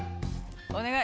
お願い。